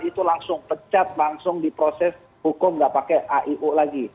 itu langsung pecat langsung diproses hukum nggak pakai aiu lagi